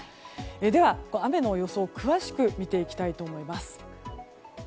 では、雨の予想詳しく見ていきたいと思います。